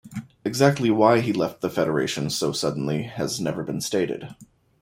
Exactly why he left the federation so suddenly has never been stated.